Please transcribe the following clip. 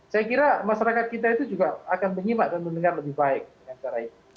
saya kira masyarakat kita itu juga akan menyimak dan mendengar lebih baik dengan cara itu